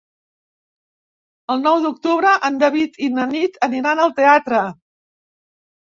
El nou d'octubre en David i na Nit aniran al teatre.